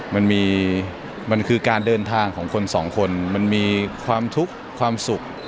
มันมีมันคือการเดินทางของคนสองคนมันมีความทุกข์ความสุข